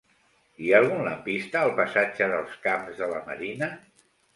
Hi ha algun lampista al passatge dels Camps de la Marina?